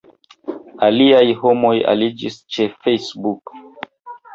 Aliaj homoj aliĝis ĉe Facebook.